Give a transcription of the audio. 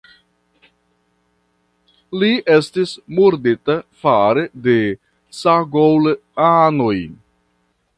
Li estis murdita fare de Cagoule-anoj.